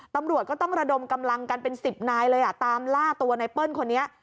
ตำรวจก็ต้องระดมกำลังกันเป็นสิบนายเลยอ่ะตามล่าตัวไนเปิ้ลคนนี้